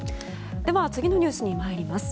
では次のニュースに参ります。